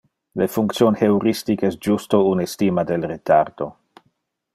Le function heuristic es justo un estima del retardo.